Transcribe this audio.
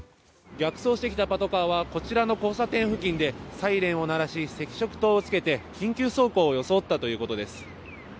逆走してきたパトカーはこちらの交差点付近でサイレンを鳴らし赤色灯をつけて緊急走行を装ったということです。